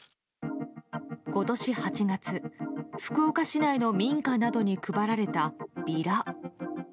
今年８月、福岡市内の民家などに配られたビラ。